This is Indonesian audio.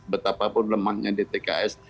betapa pun lemahnya dtks